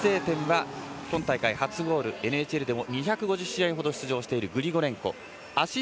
先制点は今大会初ゴールＮＨＬでも２５０試合ほど出場しているグリゴレンコ。